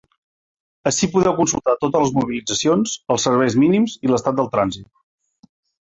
Ací podeu consultar totes les mobilitzacions, els serveis mínims i l’estat del trànsit.